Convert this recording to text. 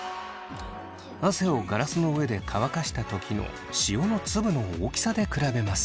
汗をガラスの上で乾かした時の塩の粒の大きさで比べます。